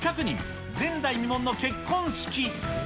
前代未聞の結婚式。